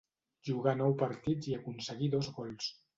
Jugà nou partits i aconseguí dos gols.